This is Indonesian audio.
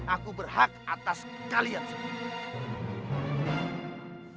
aku berhak atas kalian semua